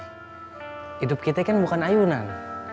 hidup kita kan bukan ayunan